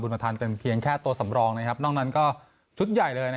บุญพันธุ์แค่ตัวสำรองนะครับนอกนั่นก็ชุดใหญ่เลยนะครับ